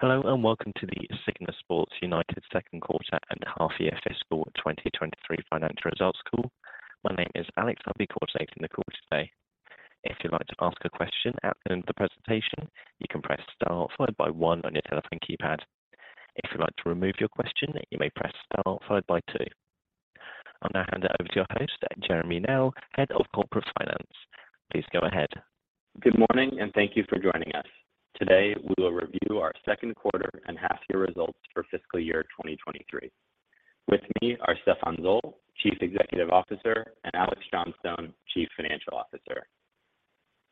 Hello, welcome to the SIGNA Sports United Q2 and half year fiscal 2023 financial results call. My name is Alex Johnstone, coordinating the call today. If you'd like to ask a question at the end of the presentation, you can press Star followed by One on your telephone keypad. If you'd like to remove your question, you may press Star followed by Two. I'll now hand it over to your host, Jeremy Nelle, Head of Corporate Finance. Please go ahead. Good morning. Thank you for joining us. Today, we will review our Q2 and half year results for fiscal year 2023. With me are Stephan Zoll, Chief Executive Officer, and Alex Johnstone, Chief Financial Officer.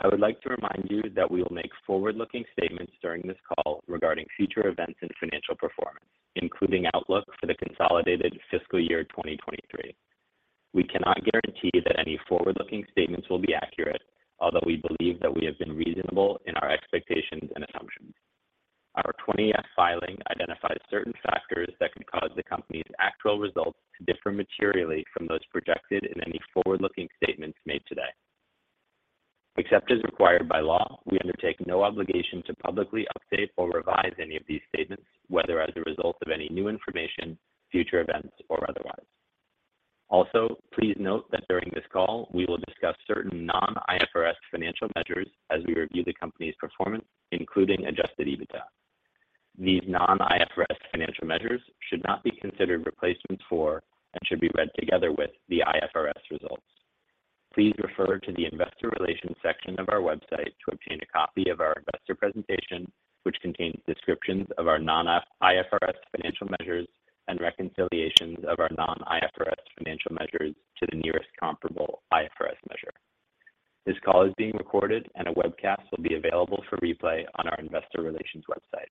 I would like to remind you that we will make forward-looking statements during this call regarding future events and financial performance, including outlook for the consolidated fiscal year 2023. We cannot guarantee that any forward-looking statements will be accurate, although we believe that we have been reasonable in our expectations and assumptions. Our 20-F filing identifies certain factors that can cause the company's actual results to differ materially from those projected in any forward-looking statements made today. Except as required by law, we undertake no obligation to publicly update or revise any of these statements, whether as a result of any new information, future events, or otherwise. Also, please note that during this call, we will discuss certain non-IFRS financial measures as we review the company's performance, including adjusted EBITDA. These non-IFRS financial measures should not be considered replacements for, and should be read together with, the IFRS results. Please refer to the investor relations section of our website to obtain a copy of our investor presentation, which contains descriptions of our IFRS financial measures and reconciliations of our non-IFRS financial measures to the nearest comparable IFRS measure. This call is being recorded, and a webcast will be available for replay on our investor relations website.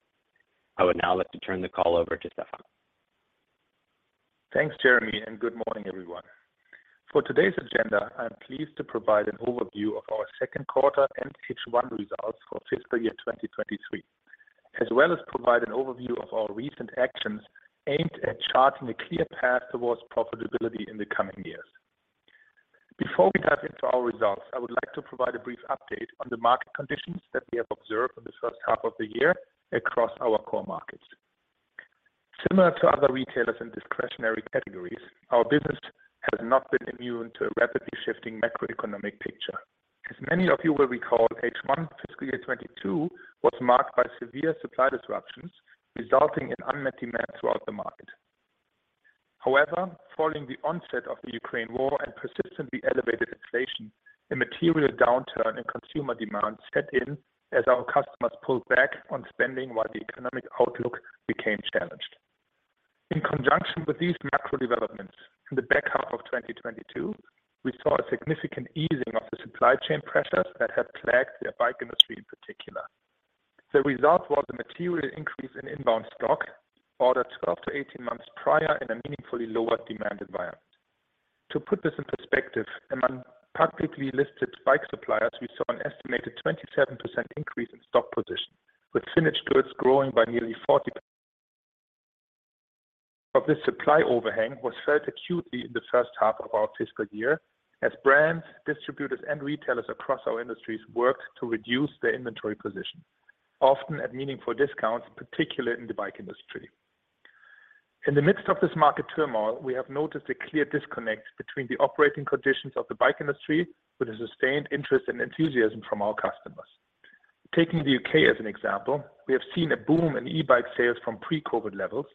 I would now like to turn the call over to Stephan. Thanks, Jeremy, and good morning, everyone. For today's agenda, I'm pleased to provide an overview of our Q2 and H1 results for fiscal year 2023, as well as provide an overview of our recent actions aimed at charting a clear path towards profitability in the coming years. Before we dive into our results, I would like to provide a brief update on the market conditions that we have observed in the H1 of the year across our core markets. Similar to other retailers in discretionary categories, our business has not been immune to a rapidly shifting macroeconomic picture. As many of you will recall, H1 fiscal year 2022 was marked by severe supply disruptions, resulting in unmet demand throughout the market. However, following the onset of the Ukraine war and persistently elevated inflation, a material downturn in consumer demand set in as our customers pulled back on spending while the economic outlook became challenged. In conjunction with these macro developments, in the back half of 2022, we saw a significant easing of the supply chain pressures that had plagued the bike industry in particular. The result was a material increase in inbound stock, ordered 12 to 18 months prior in a meaningfully lower demand environment. To put this in perspective, among publicly listed bike suppliers, we saw an estimated 27% increase in stock position, with finished goods growing by nearly 40%. This supply overhang was felt acutely in the H1 of our fiscal year as brands, distributors, and retailers across our industries worked to reduce their inventory position, often at meaningful discounts, particularly in the bike industry. In the midst of this market turmoil, we have noticed a clear disconnect between the operating conditions of the bike industry with a sustained interest and enthusiasm from our customers. Taking the U.K. as an example, we have seen a boom in e-bike sales from pre-COVID levels,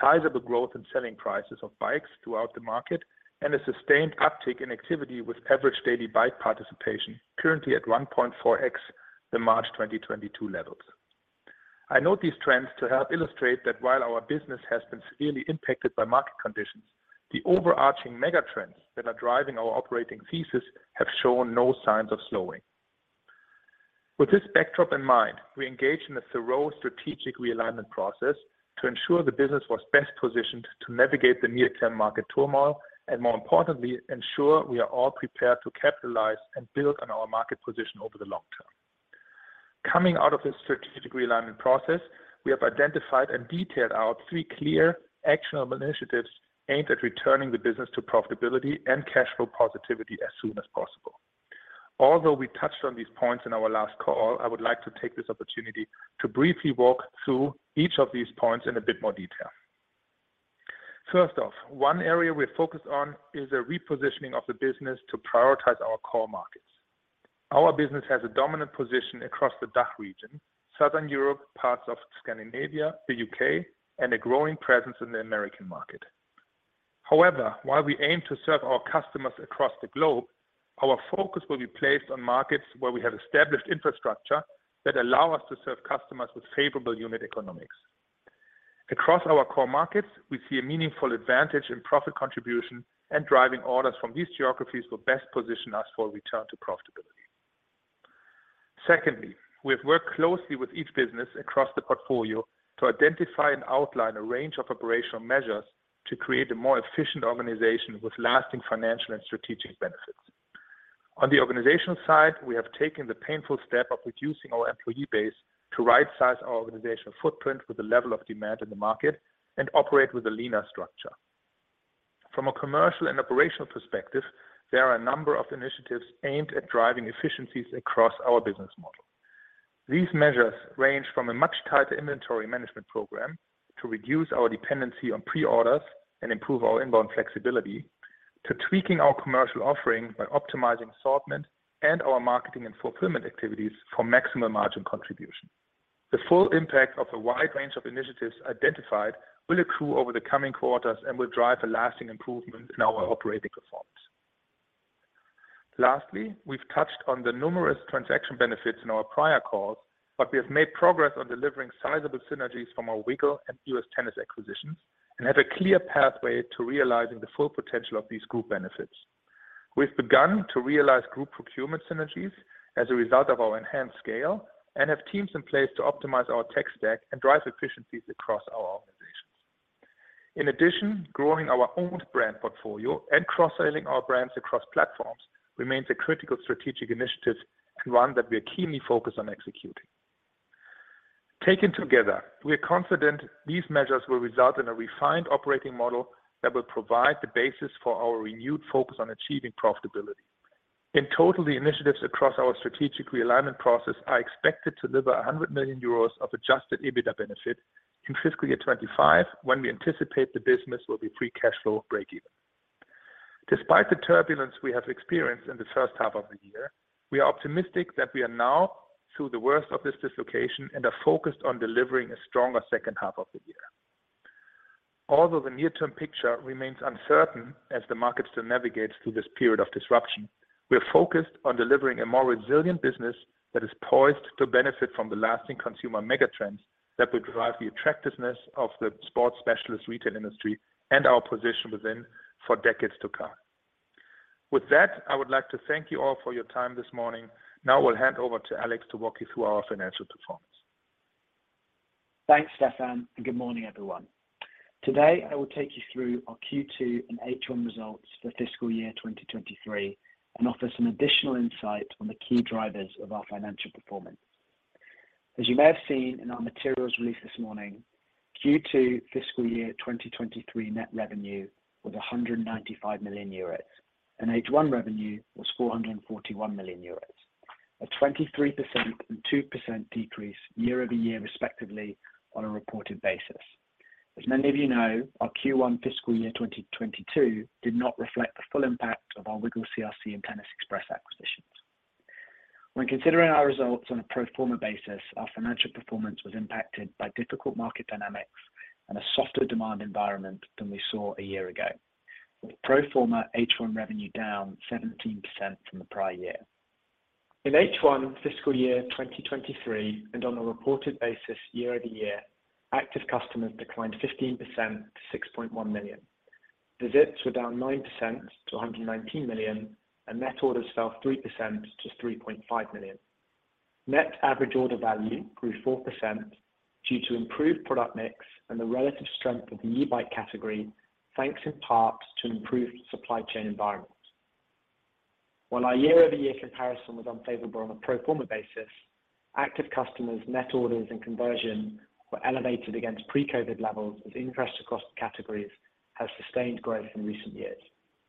sizable growth in selling prices of bikes throughout the market, and a sustained uptick in activity with average daily bike participation currently at 1.4x the March 2022 levels. I note these trends to help illustrate that while our business has been severely impacted by market conditions, the overarching mega trends that are driving our operating thesis have shown no signs of slowing. With this backdrop in mind, we engaged in a thorough strategic realignment process to ensure the business was best positioned to navigate the near-term market turmoil, and more importantly, ensure we are all prepared to capitalize and build on our market position over the long term. Coming out of this strategic realignment process, we have identified and detailed our three clear, actionable initiatives aimed at returning the business to profitability and cash flow positivity as soon as possible. Although we touched on these points in our last call, I would like to take this opportunity to briefly walk through each of these points in a bit more detail. First off, one area we're focused on is a repositioning of the business to prioritize our core markets. Our business has a dominant position across the DACH region, Southern Europe, parts of Scandinavia, the UK, and a growing presence in the American market. While we aim to serve our customers across the globe, our focus will be placed on markets where we have established infrastructure that allow us to serve customers with favorable unit economics. Across our core markets, we see a meaningful advantage in profit contribution, and driving orders from these geographies will best position us for a return to profitability. Secondly, we have worked closely with each business across the portfolio to identify and outline a range of operational measures to create a more efficient organization with lasting financial and strategic benefits. On the organizational side, we have taken the painful step of reducing our employee base to rightsize our organizational footprint with the level of demand in the market and operate with a leaner structure. From a commercial and operational perspective, there are a number of initiatives aimed at driving efficiencies across our business model. These measures range from a much tighter inventory management program to reduce our dependency on pre-orders and improve our inbound flexibility, to tweaking our commercial offering by optimizing assortment and our marketing and fulfillment activities for maximum margin contribution. The full impact of the wide range of initiatives identified will accrue over the coming quarters and will drive a lasting improvement in our operating performance. Lastly, we've touched on the numerous transaction benefits in our prior calls, but we have made progress on delivering sizable synergies from our Wiggle and Tennis Express acquisitions and have a clear pathway to realizing the full potential of these group benefits. We've begun to realize group procurement synergies as a result of our enhanced scale and have teams in place to optimize our tech stack and drive efficiencies across our organizations. In addition, growing our owned brand portfolio and cross-selling our brands across platforms remains a critical strategic initiative and one that we are keenly focused on executing. Taken together, we are confident these measures will result in a refined operating model that will provide the basis for our renewed focus on achieving profitability. In total, the initiatives across our strategic realignment process are expected to deliver 100 million euros of adjusted EBITDA benefit in fiscal year 2025, when we anticipate the business will be free cash flow breakeven. Despite the turbulence we have experienced in the H1 of the year, we are optimistic that we are now through the worst of this dislocation and are focused on delivering a stronger H2 of the year. The near-term picture remains uncertain as the market still navigates through this period of disruption, we are focused on delivering a more resilient business that is poised to benefit from the lasting consumer megatrends that will drive the attractiveness of the sports specialist retail industry and our position within for decades to come. With that, I would like to thank you all for your time this morning. Now I will hand over to Alex to walk you through our financial performance. Thanks, Stephan, and good morning, everyone. Today, I will take you through our Q2 and H1 results for fiscal year 2023 and offer some additional insight on the key drivers of our financial performance. As you may have seen in our materials released this morning, Q2 fiscal year 2023 net revenue was 195 million euros, and H1 revenue was 441 million euros, a 23% and 2% decrease year-over-year, respectively, on a reported basis. As many of you know, our Q1 fiscal year 2022 did not reflect the full impact of our WiggleCRC and Tennis Express acquisitions. When considering our results on a pro forma basis, our financial performance was impacted by difficult market dynamics and a softer demand environment than we saw a year ago, with pro forma H1 revenue down 17% from the prior year. In H1 fiscal year 2023, on a reported basis, year-over-year, active customers declined 15% to 6.1 million. Visits were down 9% to 119 million, and net orders fell 3% to 3.5 million. Net average order value grew 4% due to improved product mix and the relative strength of the e-bike category, thanks in part to improved supply chain environment. While our year-over-year comparison was unfavorable on a pro forma basis, active customers, net orders, and conversion were elevated against pre-COVID levels, as interest across categories has sustained growth in recent years.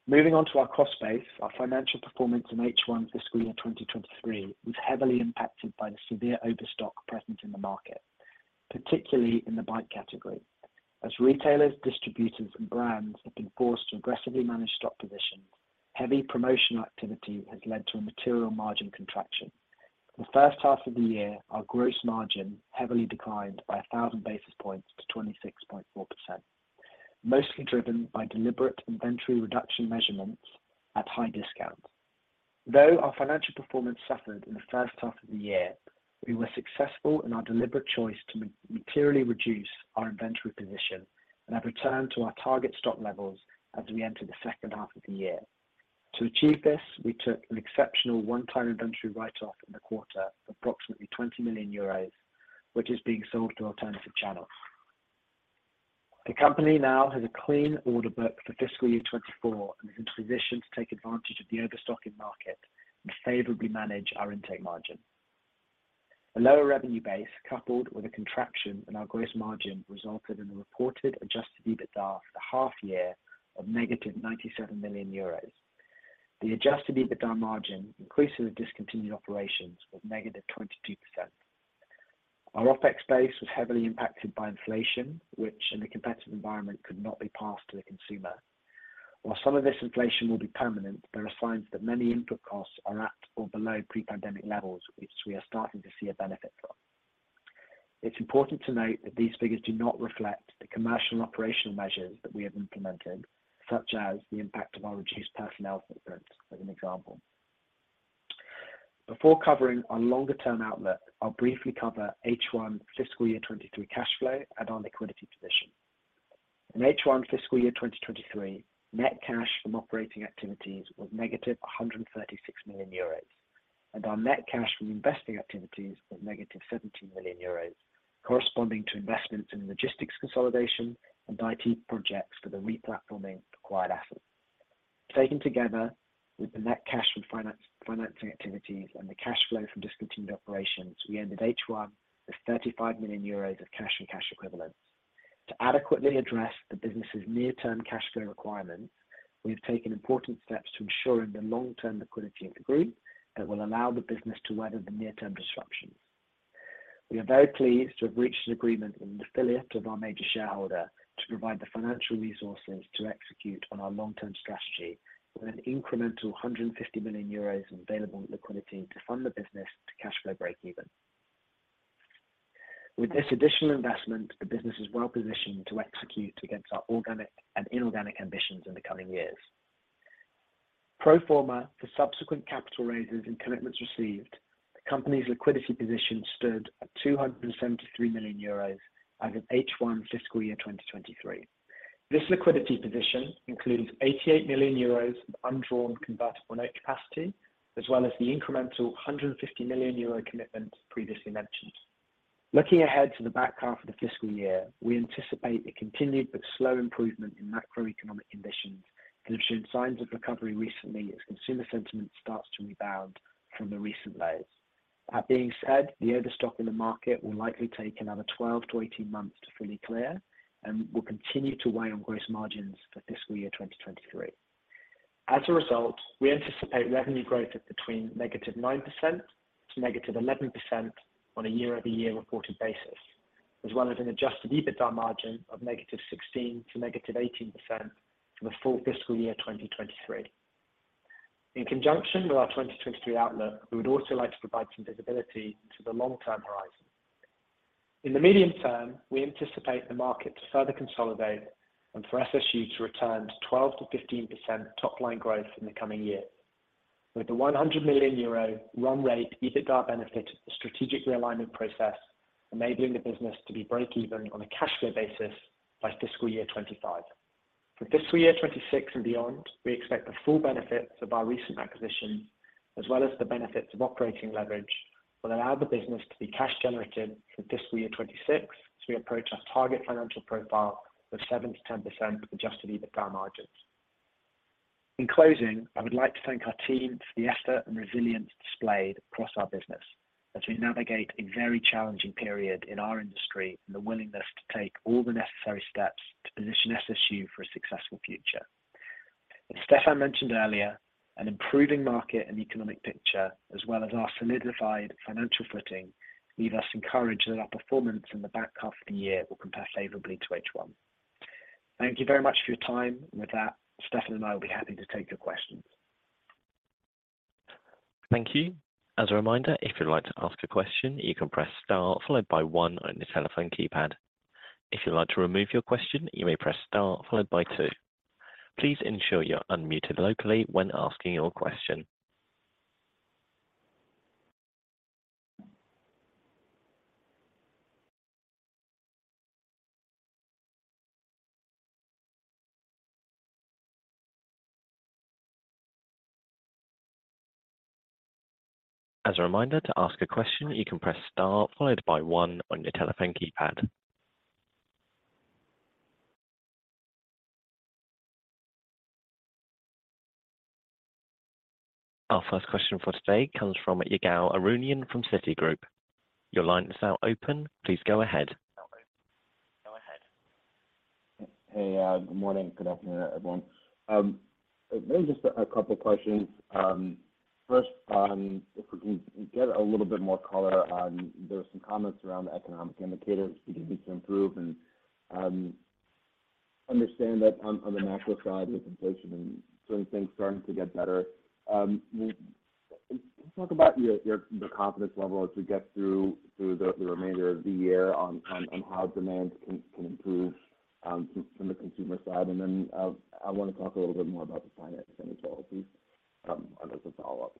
Moving on to our cost base, our financial performance in H1 fiscal year 2023 was heavily impacted by the severe overstock present in the market, particularly in the bike category. As retailers, distributors, and brands have been forced to aggressively manage stock positions, heavy promotional activity has led to a material margin contraction. The H1 of the year, our gross margin heavily declined by 1,000 basis points to 26.4%, mostly driven by deliberate inventory reduction measurements at high discount. Though our financial performance suffered in the H1 of the year, we were successful in our deliberate choice to materially reduce our inventory position and have returned to our target stock levels as we enter the H2 of the year. To achieve this, we took an exceptional one-time inventory write-off in the quarter, approximately 20 million euros, which is being sold to alternative channels. The company now has a clean order book for fiscal year 2024 and is in position to take advantage of the overstock in market and favorably manage our intake margin. A lower revenue base, coupled with a contraction in our gross margin, resulted in a reported adjusted EBITDA for the half year of negative 97 million euros. The adjusted EBITDA margin, inclusive of discontinued operations, was negative 22%. Our OpEx base was heavily impacted by inflation, which in a competitive environment could not be passed to the consumer. While some of this inflation will be permanent, there are signs that many input costs are at or below pre-pandemic levels, which we are starting to see a benefit from. It's important to note that these figures do not reflect the commercial and operational measures that we have implemented, such as the impact of our reduced personnel footprint, as an example. Before covering our longer-term outlook, I'll briefly cover H1 fiscal year 2023 cash flow and our liquidity position. In H1 fiscal year 2023, net cash from operating activities was negative 136 million euros, and our net cash from investing activities was negative 17 million euros, corresponding to investments in logistics consolidation and IT projects for the replatforming of acquired assets. Taken together with the net cash from financing activities and the cash flow from discontinued operations, we ended H1 with 35 million euros of cash and cash equivalents. To adequately address the business' near-term cash flow requirements, we have taken important steps to ensuring the long-term liquidity of the group that will allow the business to weather the near-term disruptions. We are very pleased to have reached an agreement with an affiliate of our major shareholder to provide the financial resources to execute on our long-term strategy with an incremental 150 million euros in available liquidity to fund the business to cash flow breakeven. With this additional investment, the business is well positioned to execute against our organic and inorganic ambitions in the coming years. Pro forma for subsequent capital raises and commitments received, the company's liquidity position stood at 273 million euros as of H1 fiscal year 2023. This liquidity position includes 88 million euros of undrawn convertible note capacity, as well as the incremental 150 million euro commitment previously mentioned. Looking ahead to the back half of the fiscal year, we anticipate a continued but slow improvement in macroeconomic conditions, which have shown signs of recovery recently as consumer sentiment starts to rebound from the recent lows. That being said, the overstock in the market will likely take another 12-18 months to fully clear and will continue to weigh on gross margins for fiscal year 2023. As a result, we anticipate revenue growth of between -9% to -11% on a year-over-year reported basis, as well as an adjusted EBITDA margin of -16% to -18% for the full fiscal year 2023. In conjunction with our 2023 outlook, we would also like to provide some visibility to the long-term horizon. In the medium term, we anticipate the market to further consolidate and for SSU to return to 12%-15% top-line growth in the coming years, with the 100 million euro run rate EBITDA benefit of the strategic realignment process, enabling the business to be breakeven on a cash flow basis by fiscal year 2025. For fiscal year 2026 and beyond, we expect the full benefits of our recent acquisition, as well as the benefits of operating leverage, will allow the business to be cash generative for fiscal year 2026 as we approach our target financial profile of 7%-10% adjusted EBITDA margins. In closing, I would like to thank our team for the effort and resilience displayed across our business as we navigate a very challenging period in our industry and the willingness to take all the necessary steps to position SSU for a successful future. As Stefan mentioned earlier, an improving market and economic picture, as well as our solidified financial footing, leave us encouraged that our performance in the back half of the year will compare favorably to H1. Thank you very much for your time. With that, Stefan and I will be happy to take your questions. Thank you. As a reminder, if you'd like to ask a question, you can press star followed by one on your telephone keypad. If you'd like to remove your question, you may press star followed by two. Please ensure you're unmuted locally when asking your question. As a reminder, to ask a question, you can press star followed by one on your telephone keypad. Our first question for today comes from Ygal Arounian from Citigroup. Your line is now open. Please go ahead. Hey, good morning, good afternoon, everyone. Maybe just a couple of questions. First, if we can get a little bit more color on... There were some comments around the economic indicators beginning to improve, and understand that on the macro side with inflation and certain things starting to get better. Talk about your the confidence level as we get through the remainder of the year on how demand can improve from the consumer side, and then, I want to talk a little bit more about the finance capabilities as a follow-up.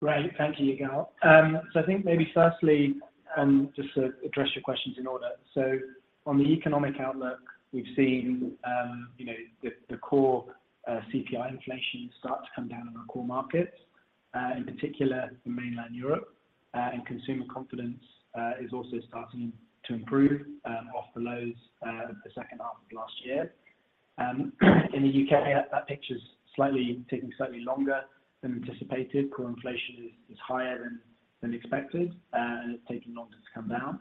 Great. Thank you, Ygal. I think maybe firstly, just to address your questions in order. On the economic outlook, we've seen, you know, the core CPI inflation start to come down in our core markets, in particular in mainland Europe. Consumer confidence is also starting to improve off the lows the H2 of last year. In the U.K., that picture is slightly taking slightly longer than anticipated. Core inflation is higher than expected, and it's taking longer to come down.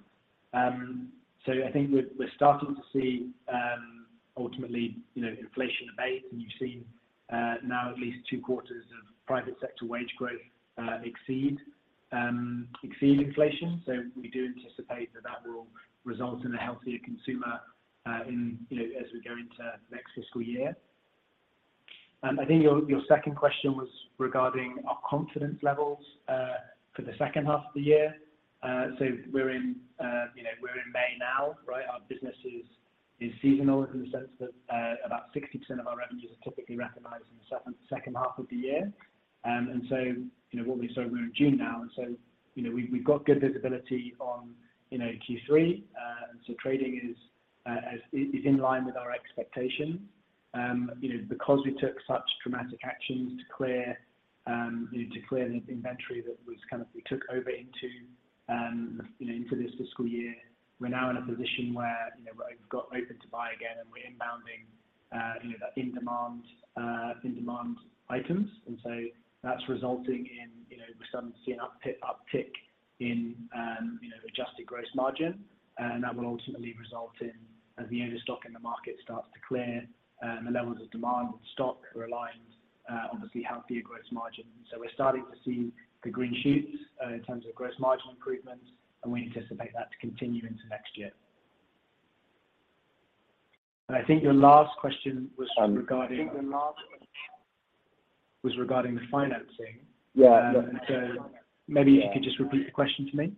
I think we're starting to see, ultimately, you know, inflation abate, and you've seen now at least two quarters of private sector wage growth exceed inflation. We do anticipate that that will result in a healthier consumer, in, you know, as we go into the next fiscal year. I think your second question was regarding our confidence levels for the H2 of the year. We're in, you know, we're in May now, right? Our business is seasonal in the sense that about 60% of our revenues are typically recognized in the H2 of the year. We're in June now, and so, you know, we've got good visibility on, you know, Q3. Trading is, as is in line with our expectations. You know, because we took such dramatic actions to clear, you know, to clear the inventory that was kind of we took over into... You know, into this fiscal year, we're now in a position where, you know, we've got open to buy again, and we're inbounding, you know, the in-demand, in-demand items. That's resulting in, you know, we're starting to see an uptick in, you know, adjusted gross margin, and that will ultimately result in, as the overstock in the market starts to clear, the levels of demand and stock are aligned, obviously healthier gross margin. We're starting to see the green shoots in terms of gross margin improvements, and we anticipate that to continue into next year. I think your last question was regarding- I think. Was regarding the financing. Yeah. Maybe if you could just repeat the question to me.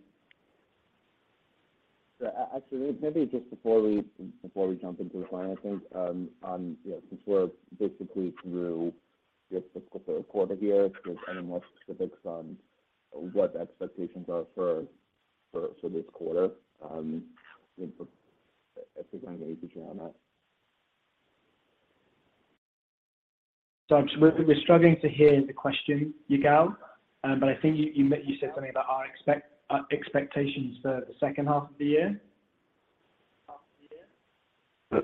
Actually, maybe just before we jump into the financing, since we're basically through your fiscal third quarter here, any more specifics on what the expectations are for this quarter, if you're going to weigh in on that? We're struggling to hear the question, Ygal, but I think you said something about our expectations for the H2 of the year?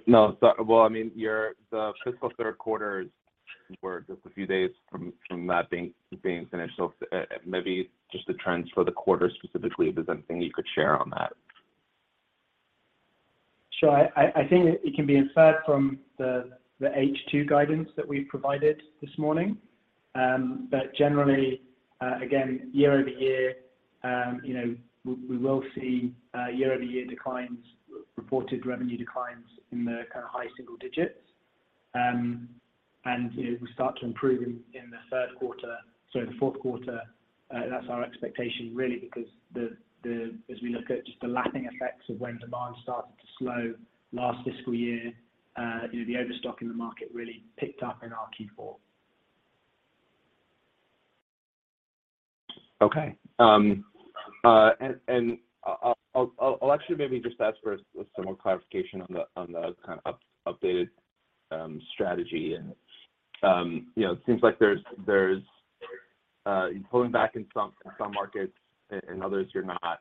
No. Well, I mean, the fiscal third quarter is, we're just a few days from that being finished. Maybe just the trends for the quarter, specifically, if there's anything you could share on that? Sure. I think it can be inferred from the H2 guidance that we provided this morning. Generally, again, year-over-year, you know, we will see year-over-year declines, reported revenue declines in the kind of high single digits. You know, we start to improve in the third quarter. In the Q4, that's our expectation, really, because as we look at just the lacking effects of when demand started to slow last fiscal year, you know, the overstock in the market really picked up in our Q4. Okay. I'll actually maybe just ask for some more clarification on the kind of updated strategy. You know, it seems like there's, you're pulling back in some markets, and others you're not.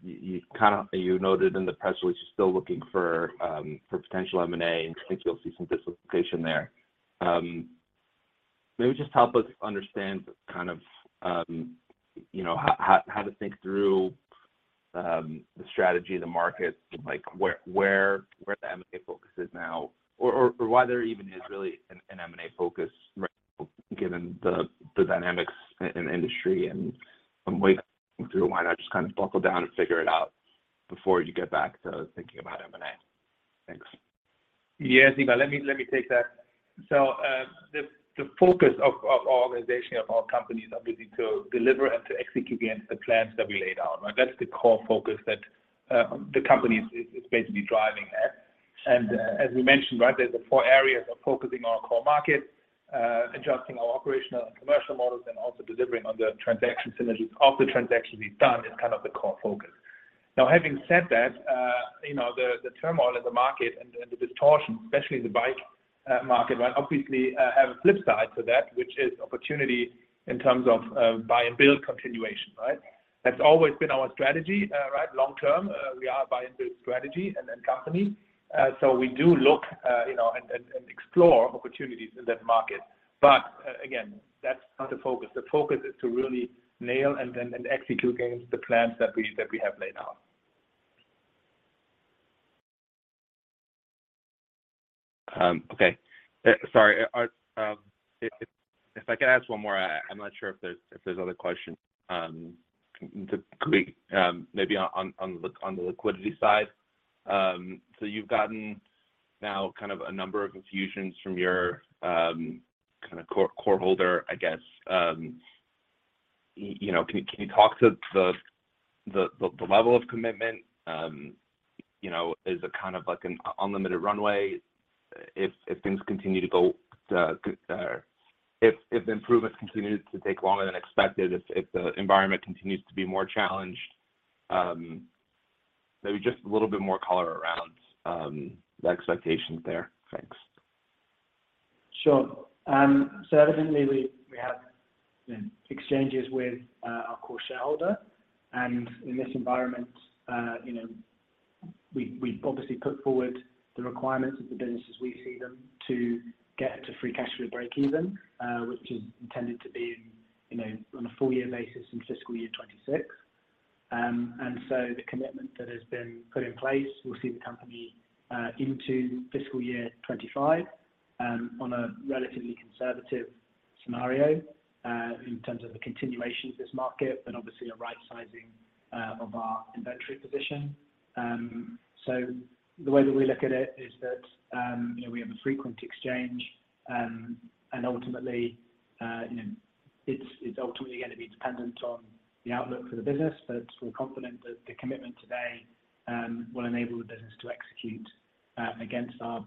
You kind of noted in the press release you're still looking for potential M&A, and I think you'll see some participation there. Maybe just help us understand kind of, you know, how to think through, the strategy, the market, like, where the M&A focus is now, or why there even is really an M&A focus right now, given the dynamics in the industry and from way through, why not just kind of buckle down and figure it out before you get back to thinking about M&A? Thanks. Yes, Ygal, let me take that. The focus of our organization, of our company, is obviously to deliver and to execute against the plans that we laid out. Right? That's the core focus that the company is basically driving at. As we mentioned, right, there's the four areas of focusing on our core markets, adjusting our operational and commercial models, and also delivering on the transaction synergies of the transactions we've done is kind of the core focus. Having said that, you know, the turmoil in the market and the distortion, especially in the bike market, right, obviously have a flip side to that, which is opportunity in terms of buy and build continuation, right? That's always been our strategy, right? Long term, we are a buy and build strategy and then company. We do look, you know, and explore opportunities in that market. Again, that's not the focus. The focus is to really nail and then execute against the plans that we have laid out. Okay. Sorry, if I could ask one more. I'm not sure if there's other questions. Quick, maybe on the liquidity side. You've gotten now kind of a number of infusions from your kind of core holder, I guess. You know, can you talk to the level of commitment? You know, is it kind of like an unlimited runway if things continue to go, if the improvements continue to take longer than expected, if the environment continues to be more challenged? Maybe just a little bit more color around the expectations there. Thanks. Sure. So evidently, we have exchanges with our core shareholder. In this environment, you know, we obviously put forward the requirements of the business as we see them to get to free cash flow break even, which is intended to be, you know, on a four-year basis in fiscal year 2026. The commitment that has been put in place will see the company into fiscal year 2025 on a relatively conservative scenario in terms of the continuation of this market, but obviously a right sizing of our inventory position. The way that we look at it is that, you know, we have a frequent exchange, and ultimately, you know, it's ultimately gonna be dependent on the outlook for the business. We're confident that the commitment today will enable the business to execute against our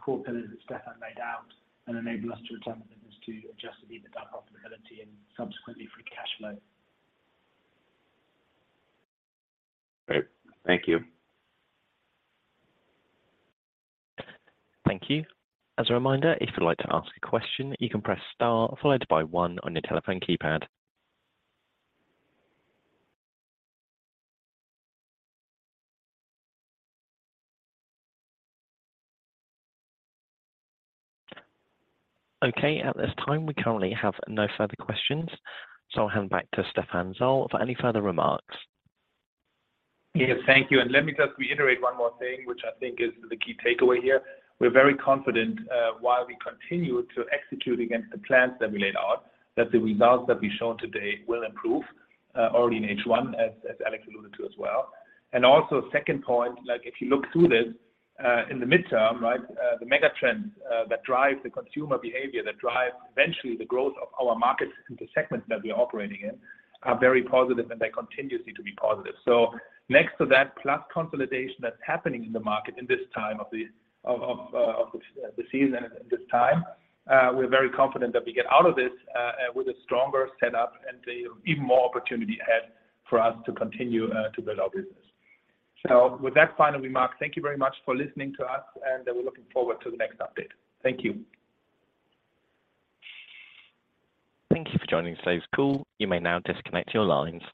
core pillars that Stephan laid out and enable us to return the business to adjusted EBITDA profitability and subsequently, free cash flow. Great. Thank you. Thank you. As a reminder, if you'd like to ask a question, you can press Star, followed by 1 on your telephone keypad. At this time, we currently have no further questions, I'll hand back to Stephan Zoll for any further remarks. Yes, thank you. Let me just reiterate one more thing, which I think is the key takeaway here. We're very confident, while we continue to execute against the plans that we laid out, that the results that we've shown today will improve already in H1, as Alex alluded to as well. Also, second point, like, if you look through this, in the midterm, right, the mega trends that drive the consumer behavior, that drive eventually the growth of our markets and the segments that we are operating in, are very positive, and they continue to be positive. Next to that plus consolidation that's happening in the market in this time of the season and this time, we're very confident that we get out of this with a stronger setup and a even more opportunity ahead for us to continue to build our business. With that final remark, thank you very much for listening to us, and we're looking forward to the next update. Thank you. Thank you for joining today's call. You may now disconnect your lines.